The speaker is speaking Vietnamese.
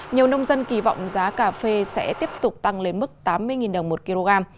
nhiều nông dân kỳ vọng giá cà phê sẽ tiếp tục tăng lên mức tám mươi đồng một kg